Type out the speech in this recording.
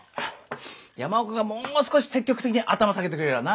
山岡がもう少し積極的に頭下げてくれればな。